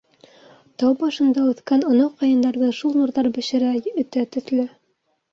Тау башында үҫкән анау ҡайындарҙы шул нурҙар бешерә, өтә төҫлө.